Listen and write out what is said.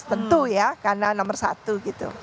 tentu ya karena nomor satu gitu